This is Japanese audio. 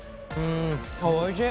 おいしい。